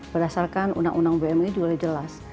berdasarkan undang undang bumn ini juga udah jelas